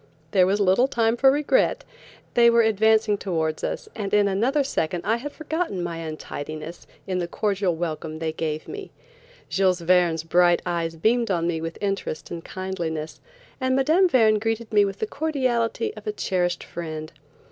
There was little time for regret. They were advancing towards us, and in another second I had forgotten my untidiness in the cordial welcome they gave me. Jules Verne's bright eyes beamed on me with interest and kindliness, and Mme. Verne greeted me with the cordiality of a cherished friend.